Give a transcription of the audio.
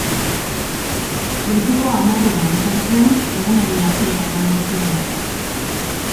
Goizeko hamarretan izan zen egunari hasiera emango ziona.